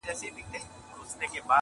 د غم او د ښادۍ کمبلي ورکي دي له خلکو.!